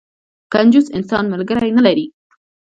کنجوس انسان، ملګری نه لري.